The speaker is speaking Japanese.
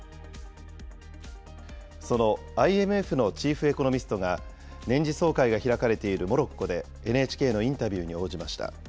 そのＩＭＦのチームエコノミストが、年次総会が開かれているモロッコでＮＨＫのインタビューに応じました。